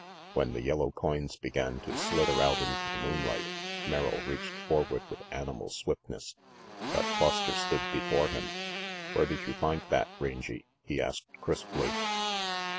When the yellow coins began to slither out into the moonlight, Merrill reached forward with animal swiftness. But Foster stood before him. "Where did you find that, Rangy?" he asked crisply.